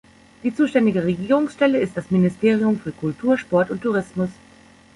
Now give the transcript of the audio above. Die zuständige Regierungsstelle ist das Ministerium für Kultur, Sport und Tourismus.